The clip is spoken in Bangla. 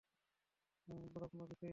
সেটা বড়ো কোনও বিষয় নয়।